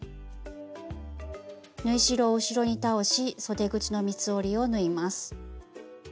縫い代を後ろに倒しそで口の三つ折りを縫います。